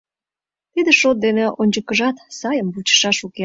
— Тиде шот дене ончыкыжат сайым вучышаш уке.